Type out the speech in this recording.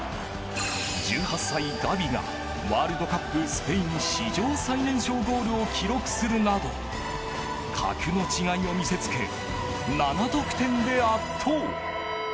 １８歳、ガビがワールドカップ、スペイン史上最年少ゴールを記録するなど格の違いを見せつけ７得点で圧倒。